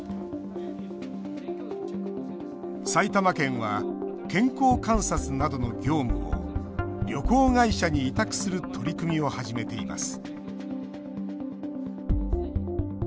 埼玉県は健康観察などの業務を旅行会社に委託する取り組みを始めています。